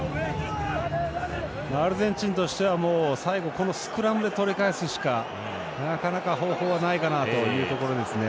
アルゼンチンとしては最後このスクラムで取り返すしかなかなか、方法はないかなというところですね。